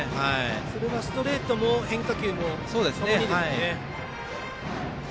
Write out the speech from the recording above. それはストレートも変化球もともにですね。